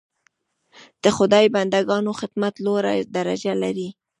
د خدای بنده ګانو خدمت لوړه درجه لري.